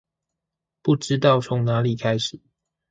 不知道從哪裡開始